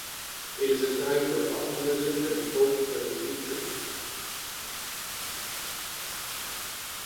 It is a time for optimism and hope for the future.